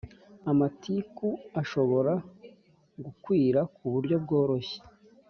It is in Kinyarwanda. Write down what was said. Amatiku ashobora gukwira ku buryo bworoshye